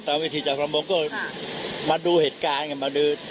ตามวิธีจักรมงค์ก็มาดูเหตุการณ์ไงมาดู